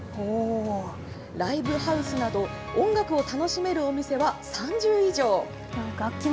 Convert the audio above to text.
ライブハウスなど、音楽を楽しめるお店は３０以上。